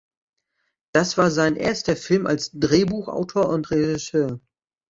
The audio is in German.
Das war sein erster Film als Drehbuchautor und Regisseur.